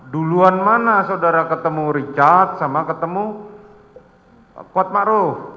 duluan mana saudara ketemu richard sama ketemu kuat ma'ruf